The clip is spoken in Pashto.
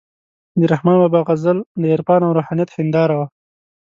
د رحمان بابا غزل د عرفان او روحانیت هنداره وه،